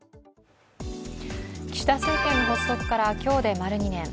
岸田政権発足から今日で丸２年。